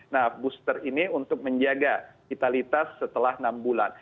nah booster ini untuk menjaga vitalitas setelah enam bulan